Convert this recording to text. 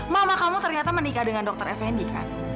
mama kamu ternyata menikah dengan dokter effendi kan